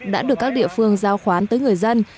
đã được các địa phương giao khoán tới người dân